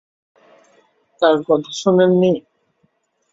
তার কথা শোনেননি?